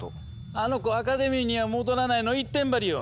あの子「アカデミーには戻らない」の一点張りよ！